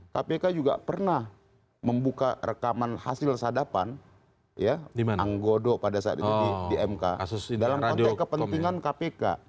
kpk juga pernah membuka rekaman hasil sadapan anggodo pada saat itu di mk dalam konteks kepentingan kpk